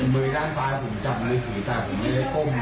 มือด้านซ้ายผมจับมือถือแต่ผมไม่ได้ก้ม